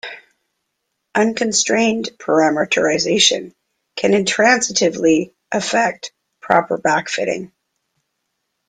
Unconstrained parameterization can intransitively affect proper backfitting.